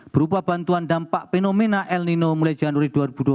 berupa bantuan dampak fenomena el nino mulai januari dua ribu dua puluh